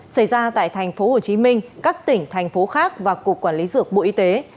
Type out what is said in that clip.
xảy ra tại tp hcm các tỉnh thành phố khác và cục quản lý dược bộ y tế